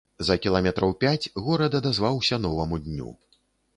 За кіламетраў пяць горад адазваўся новаму дню.